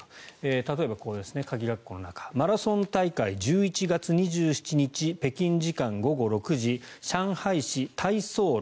例えば、これですねマラソン大会１１月２７日北京時間午後６時上海市・太倉路